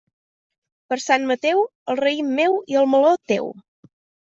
Per Sant Mateu, el raïm meu i el meló, teu.